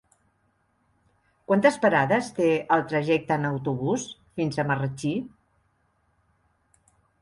Quantes parades té el trajecte en autobús fins a Marratxí?